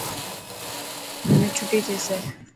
همي ڇٽي ٿيسي.